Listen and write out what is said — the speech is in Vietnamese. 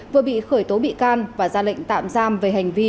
vừa bị khởi tố bị can và ra lệnh tạm giam về hành vi